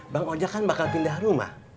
bang ojek kan bakal pindah rumah